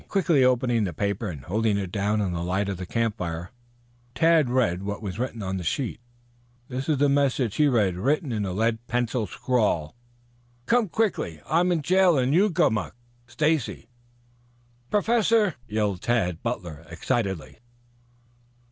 Quickly opening the paper and holding it down in the light of the campfire, Tad read what was written on the sheet. This is the message he read written in a lead pencil scrawl: "Come quickly. I'm in jail in 'Ugamook." "STACY" "Professor!" yelled Tad Butler excitedly.